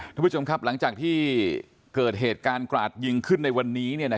ท่านผู้ชมครับหลังจากที่เกิดเหตุการณ์กราดยิงขึ้นในวันนี้